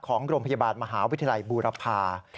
ของโรงพยาบาลมหาวิทยาลัยบูรพา